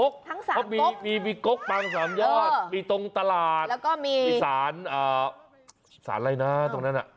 เขามีก๊กปังสามยอดมีตรงตลาดแล้วก็มีสารอะไรนะตรงนั้น